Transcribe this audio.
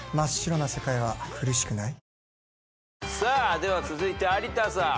では続いて有田さん。